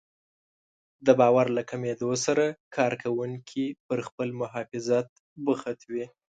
د باور له کمېدو سره کار کوونکي پر خپل محافظت بوخت وي.